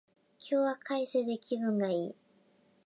今日は快晴で気分がいい